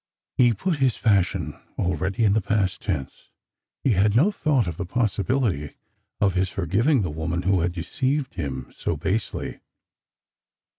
He put his passion already in the past tense. He had no thought of the jDOssibility of his forgiving the woman who had deceived him so basely.